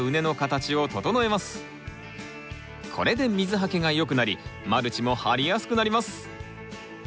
これで水はけが良くなりマルチも張りやすくなります。